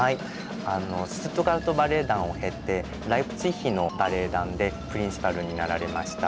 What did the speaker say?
シュツットガルト・バレエ団を経てライプチヒのバレエ団でプリンシパルになられました。